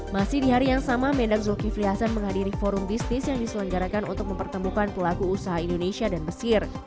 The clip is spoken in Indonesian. masih di hari yang sama mendak zulkifli hasan menghadiri forum bisnis yang diselenggarakan untuk mempertemukan pelaku usaha indonesia dan mesir